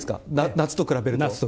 夏と比べると。